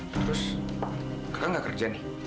terus kakak nggak kerja nih